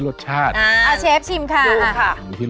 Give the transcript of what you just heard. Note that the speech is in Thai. อร่อยจริงออร่อยจริงอ